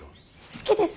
好きです。